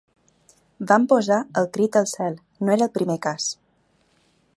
Vam posar el crit al cel, no era el primer cas.